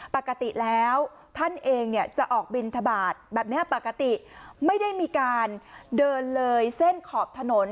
ปกติแล้วท่านเองเนี่ยจะออกบินทบาทแบบนี้ปกติไม่ได้มีการเดินเลยเส้นขอบถนน